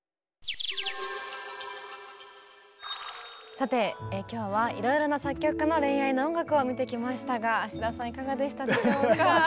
さて今日はいろいろな作曲家の恋愛の音楽を見てきましたが田さんいかがでしたでしょうか？